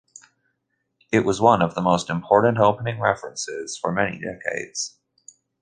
It was one of the most important opening references for many decades.